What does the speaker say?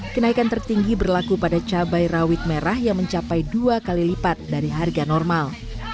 kenaikan tertinggi berlaku pada cabai rawit merah yang mencapai dua kali lipat dari harga normal